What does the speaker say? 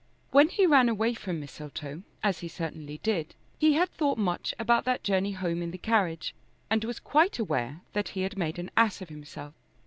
When he ran away from Mistletoe, as he certainly did, he had thought much about that journey home in the carriage, and was quite aware that he had made an ass of himself.